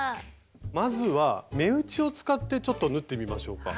まずは目打ちを使ってちょっと縫ってみましょうか。